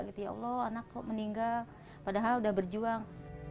ya allah anak kok meninggal padahal udah berjuang